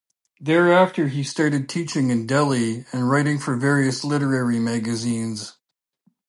Thereafter he started teaching in Delhi and writing for various literary magazines.